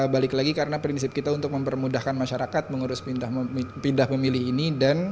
balik lagi karena prinsip kita untuk mempermudahkan masyarakat mengurus pindah memilih ini